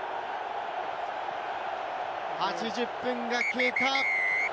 ８０分が経過。